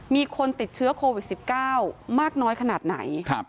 มีคนติดเชื้อโควิด๑๙มากน้อยขนาดไหน